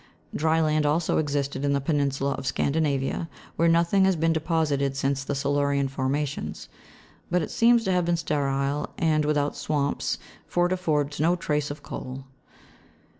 Dry land also existed in the peninsula of Scandinavia, where nothing has been deposited since the Silurian formations ; but it seems to have been sterile, and without swamps, for it affords no trace of coal.